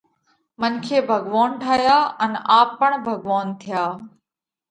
منکي ڀڳوونَ ٺايا ان آپ پڻ ڀڳوونَ ٿيا۔